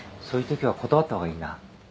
そういうときは断った方がいいな。